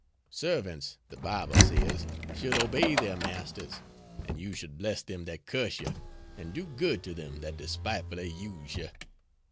Servants, the Bible says, should obey their masters, and you should bless them that curse you, and do good to them that despitefully use you.